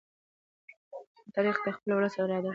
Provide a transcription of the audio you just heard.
تاریخ د خپل ولس اراده ښيي.